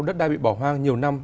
đất đai bị bỏ hoang nhiều năm